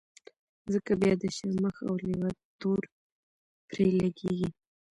ځکه بيا د شرمښ او لېوه تور پرې لګېږي.